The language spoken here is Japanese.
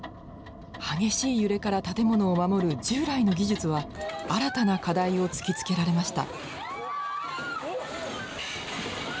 激しい揺れから建物を守る従来の技術は新たな課題を突きつけられました。